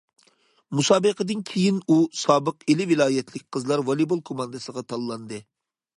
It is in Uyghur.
مۇسابىقىدىن كېيىن ئۇ سابىق ئىلى ۋىلايەتلىك قىزلار ۋالىبول كوماندىسىغا تاللاندى.